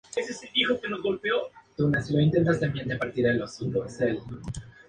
Sus padres no asistieron a la boda y no aprobaron que fuera una artista.